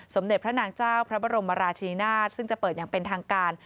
สมเด็จพระนางเจ้าพระบรมราชินินาศซึ่งจะเปิดอย่างเป็นทางการ